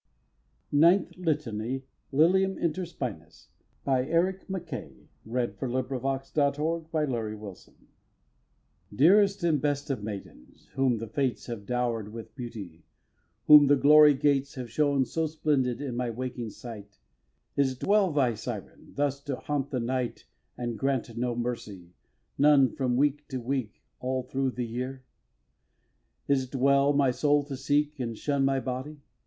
[Illustration: CHERUB] Ninth Litany. LILIUM INTER SPINAS. Ninth Litany. Lilium inter Spinas. i. Dearest and best of maidens, whom the Fates have dower'd with beauty, whom the glory gates Have shown so splendid in my waking sight, Is't well, thou syren! thus to haunt the night And grant no mercy, none from week to week All through the year? Is't well my soul to seek And shun my body?